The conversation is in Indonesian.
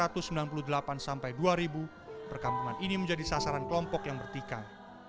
tahun dua ribu delapan sampai dua ribu perkampungan ini menjadi sasaran kelompok yang bertikai